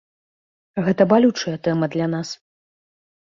Гэта балючая тэма для нас.